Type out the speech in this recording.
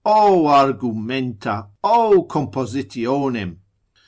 O argumenta! O compositionem!